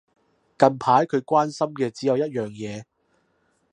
近排佢關心嘅就只有一樣嘢